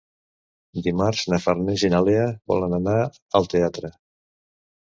Dimarts na Farners i na Lea volen anar al teatre.